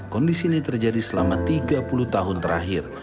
kondisi ini terjadi selama tiga puluh tahun terakhir